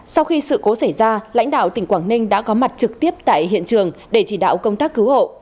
sau khi sự cố xảy ra lãnh đạo tỉnh quảng ninh đã có mặt trực tiếp tại hiện trường để chỉ đạo công tác cứu hộ